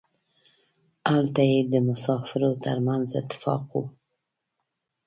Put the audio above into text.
هلته یې د مسافرو ترمنځ اتفاق و.